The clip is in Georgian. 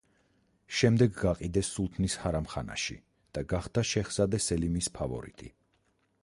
შემდეგ გაყიდეს სულთნის ჰარამხანაში და გახდა შეჰზადე სელიმის ფავორიტი.